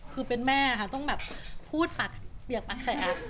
คือเป็นแม่ค่ะต้องแบบพูดปากเปียกปักใส่